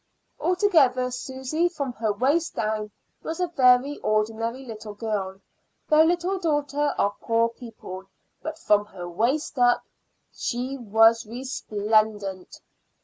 Altogether Susy from her waist down was a very ordinary little girl the little daughter of poor people; but from her waist up she was resplendent.